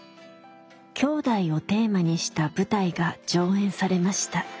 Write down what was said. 「きょうだい」をテーマにした舞台が上演されました。